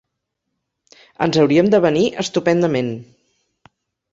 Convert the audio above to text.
Ens hauríem d'avenir estupendament.